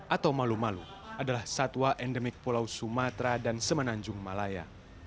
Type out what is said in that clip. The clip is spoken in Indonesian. atau malu malu adalah satwa endemik pulau sumatera dan semenanjung malaya